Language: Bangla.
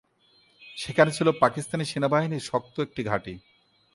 সেখানে ছিল পাকিস্তানি সেনাবাহিনীর শক্ত একটি ঘাঁটি।